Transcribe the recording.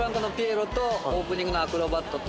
オープニングのアクロバットと。